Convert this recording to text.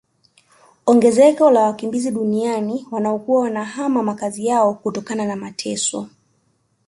Ongezeko la wakimbizi duniani wanaokuwa wanahama makazi yao kutokana na mateso